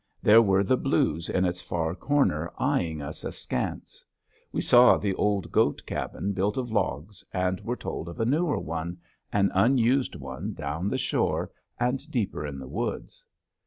There were the blues in its far corner eying us askance. We saw the old goat cabin built of logs and were told of a newer one, an unused one down the shore and deeper in the woods.